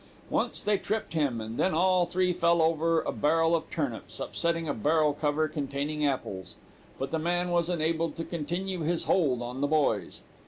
Once they tripped him, and then all three fell over a barrel of turnips, upsetting a barrel cover containing apples; but the man was enabled to continue his hold on the boys.